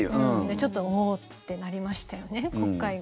ちょっと、おおっ！ってなりましたよね、国会が。